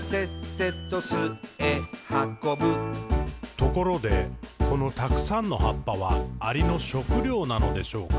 「ところで、このたくさんの葉っぱは、アリの食料なのでしょうか？